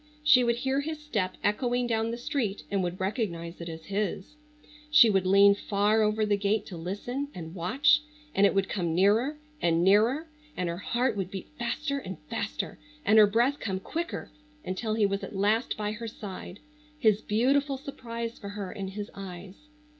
She would hear his step echoing down the street and would recognize it as his. She would lean far over the gate to listen and watch, and it would come nearer and nearer, and her heart would beat faster and faster, and her breath come quicker, until he was at last by her side, his beautiful surprise for her in his eyes.